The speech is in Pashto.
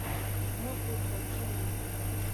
موږ ورته ګورو.